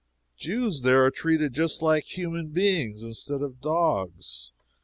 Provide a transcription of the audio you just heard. Jews, there, are treated just like human beings, instead of dogs.